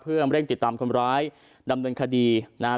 เพื่อเร่งติดตามคนร้ายดำเนินคดีนะฮะ